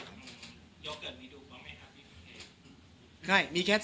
ยอเกิร์ตนิดกว่าไม่ฮัพตี้นิตเท่าะ